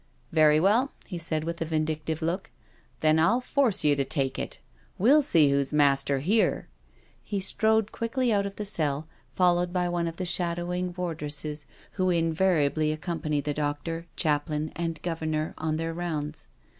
" Very well," he said with a vindictive look, " then I'll force you to take it. We'll see who's master here." He strode quickly out of the cell, followed by one of the shadowing wardresses who invariably ac company the doctor, chaplaiui and Governor on their rounds.